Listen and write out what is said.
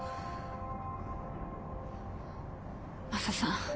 マサさん